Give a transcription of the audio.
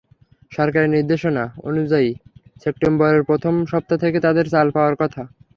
সরকারের নির্দেশনা অনুযায়ী সেপ্টেম্বরের প্রথম সপ্তাহ থেকে তাঁদের চাল পাওয়ার কথা।